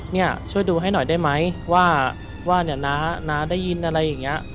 เนี่ยช่วยดูให้หน่อยได้ไหมว่าเนี่ยน้าน้าได้ยินอะไรอย่างนี้